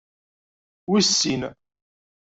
Wis sin.